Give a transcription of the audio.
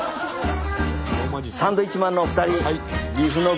サンドウィッチマンのお二人！